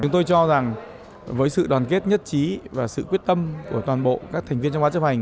chúng tôi cho rằng với sự đoàn kết nhất trí và sự quyết tâm của toàn bộ các thành viên trong quá chấp hành